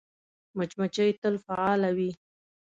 مچمچۍ تل فعاله وي